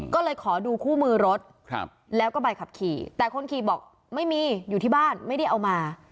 ก็เลยขอดูคู่มือรถแล้วก็ใบขับขี่แต่คนขี่บอกไม่มีอยู่ที่บ้านไม่ได้เอามา